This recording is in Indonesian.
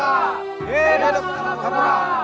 hidup salam kamra